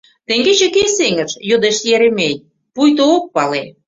— Теҥгече кӧ сеҥыш? — йодеш Еремей, пуйто ок пале.